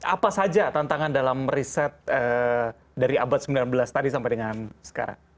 apa saja tantangan dalam riset dari abad sembilan belas tadi sampai dengan sekarang